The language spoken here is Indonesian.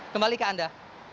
kembali ke anda